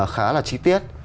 khá là trí tiết